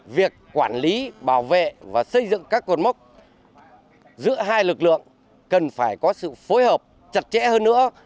việc quản lý bảo vệ và xây dựng các cột mốc giữa hai lực lượng cần phải có sự phối hợp chặt chẽ hơn nữa